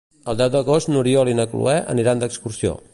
El deu d'agost n'Oriol i na Cloè aniran d'excursió.